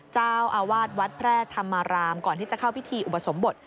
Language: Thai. เจ้าอาวาสวัดแพร่ธรรมารามก่อนที่จะเข้าพิธีอุปสมบท